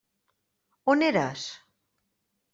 On eres?